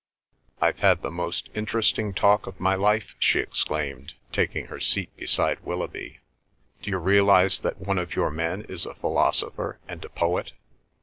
"I've had the most interesting talk of my life!" she exclaimed, taking her seat beside Willoughby. "D'you realise that one of your men is a philosopher and a poet?"